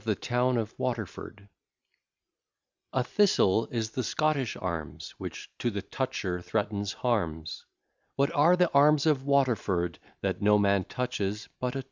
_] TRANSLATION A thistle is the Scottish arms, Which to the toucher threatens harms, What are the arms of Waterford, That no man touches but a